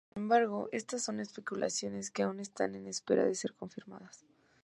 Sin embargo, estas son especulaciones que aún están en espera de ser confirmadas.